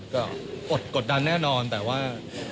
ก็อดกดดันแน่นอนแต่ว่า